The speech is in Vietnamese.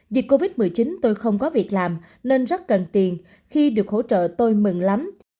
dịch covid một mươi chín tôi không có việc làm nên rất cần tiền khi được hỗ trợ tôi mừng lắm